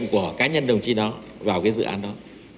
của cá nhân đồng chí đó vào cái dự án đó